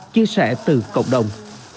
chia sẻ từ cộng đồng